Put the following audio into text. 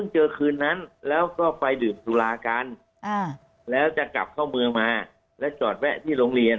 เจอคืนนั้นแล้วก็ไปดื่มสุรากันแล้วจะกลับเข้าเมืองมาแล้วจอดแวะที่โรงเรียน